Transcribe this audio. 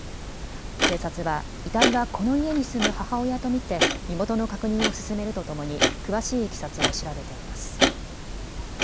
警察は遺体はこの家に住む母親と見て身元の確認を進めるとともに詳しいいきさつを調べています。